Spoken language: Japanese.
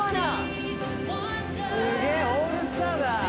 すげえオールスターだ。